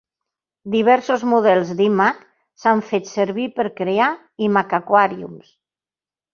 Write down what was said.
Diversos models d'iMac s'han fet servir per crear iMacAquariums.